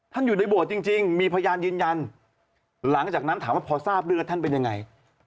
อยู่ในโบสถ์จริงมีพยานยืนยันหลังจากนั้นถามว่าพอทราบเลือดท่านเป็นยังไง